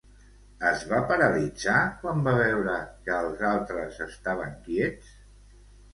Es va paralitzar, quan va veure que els altres estaven quiets?